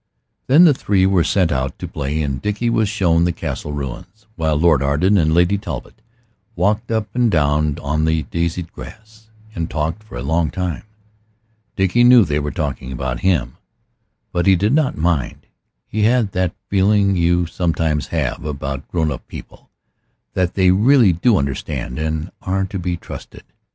Then the three were sent out to play, and Dickie was shown the castle ruins, while Lord Arden and Lady Talbot walked up and down on the daisied grass, and talked for a long time. Dickie knew they were talking about him, but he did not mind. He had that feeling you sometimes have about grown up people, that they really do understand, and are to be trusted.